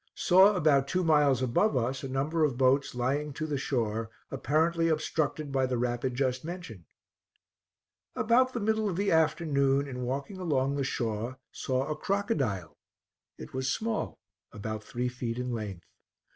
Saw about two miles above us a number of boats lying to the shore, apparently obstructed by the rapid just mentioned. About the middle of the afternoon, in walking along the shore, saw a crocodile; it was small, about three feet in length.